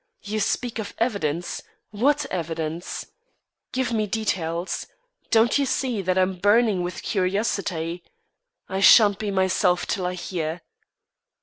You speak of evidence. What evidence? Give me details. Don't you see that I am burning with curiosity? I shan't be myself till I hear."